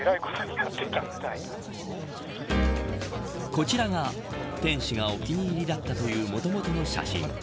こちらが店主がお気に入りだったというもともとの写真。